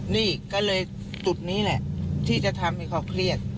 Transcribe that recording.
นี่ก็เลยจุดนี้แหละที่จะทำให้เขาเครียด